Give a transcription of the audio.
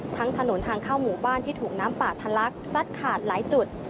ถนนทางเข้าหมู่บ้านที่ถูกน้ำป่าทะลักซัดขาดหลายจุด